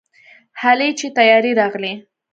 هلئ چې طيارې راغلې.